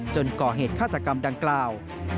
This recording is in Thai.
ก่อเหตุฆาตกรรมดังกล่าว